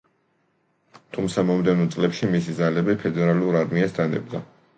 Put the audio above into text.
თუმცა, მომდევნო წლებში მისი ძალები ფედერალურ არმიას დანებდა.